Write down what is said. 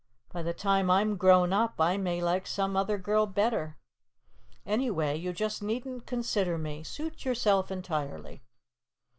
By the time I'm grown up, I may like some other girl better. Anyway, you just needn't consider me. Suit yourself entirely."